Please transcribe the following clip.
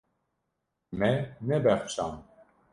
Me nebexşand.